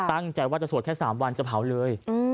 ตั้งใจว่าจะสวดแค่๓วันจะเผาเลย